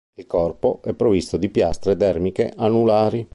Il corpo è provvisto di piastre dermiche anulari.